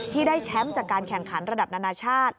ที่ได้แชมป์จากการแข่งขันระดับนานาชาติ